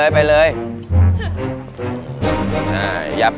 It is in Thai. ไปเลย